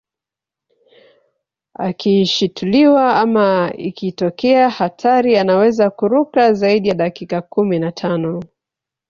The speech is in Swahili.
Akishituliwa ama ikitokea hatari anaweza kuruka zaidi ya dakika kumi na tano